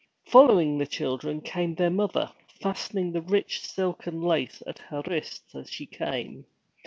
Following the children came their mother, fastening the rich silk and lace at her wrists as she came.